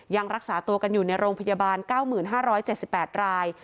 ยังรักษาตัวกันอยู่ในโรงพยาบาล๙๕๗๘ราย